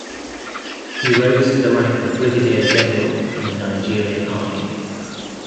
He rose to the rank of Brigadier General in the Nigerian Army.